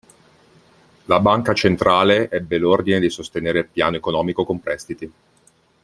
La banca centrale ebbe l'ordine di sostenere il piano economico con prestiti.